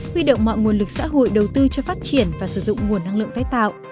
huy động mọi nguồn lực xã hội đầu tư cho phát triển và sử dụng nguồn năng lượng tái tạo